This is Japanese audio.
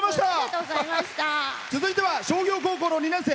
続いては商業高校の２年生。